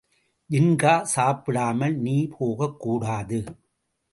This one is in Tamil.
ஜின்கா, சாப்பிடாமல் நீ போகக்கூடாது.